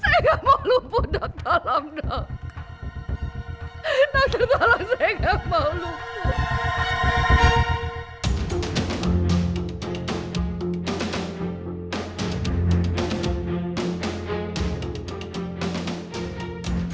saya gak mau luput tak tertalam tak tertalam saya gak mau luput